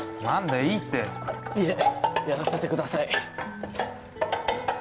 いいっていえやらせてください